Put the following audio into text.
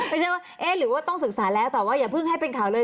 ไม่ใช่ว่าเอ๊ะหรือว่าต้องศึกษาแล้วแต่ว่าอย่าเพิ่งให้เป็นข่าวเลย